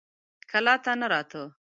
کلا ته نه راته.